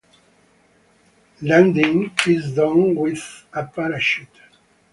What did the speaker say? Landing is done with a parachute.